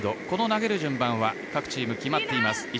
この投げる順番は各チーム決まっています。